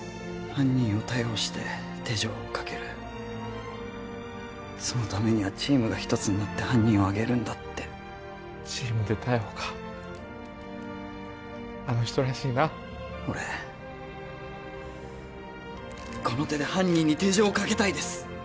犯人を逮捕して手錠をかけるそのためにはチームが一つになって犯人を挙げるんだってチームで逮捕かあの人らしいな俺この手で犯人に手錠をかけたいです